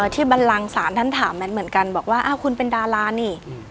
บันลังศาลท่านถามแมทเหมือนกันบอกว่าอ้าวคุณเป็นดารานี่